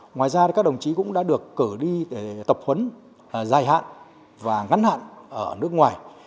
ngoài ra các đồng chí cũng đã được cử đi để tập huấn dài hạn và ngắn hạn ở nước ngoài